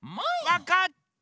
わかった！